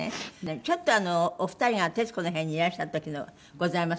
ちょっとお二人が『徹子の部屋』にいらした時のございます。